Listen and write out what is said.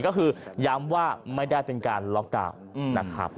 ก็คือย้ำว่าไม่ได้เป็นการล็อกดาวน์นะครับ